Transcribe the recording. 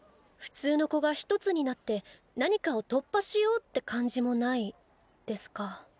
普通の子が一つになって何かを突破しようって感じもないですか。